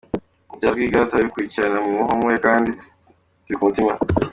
Ibya Rwigara turabikurikirana muhumure kdi aturi k umutima